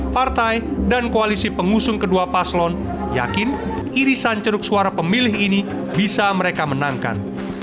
partai dan koalisi pengusung kedua paslon yakin irisan ceruk suara pemilih ini bisa mereka menangkan